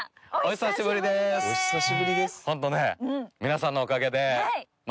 「お久しぶりです」？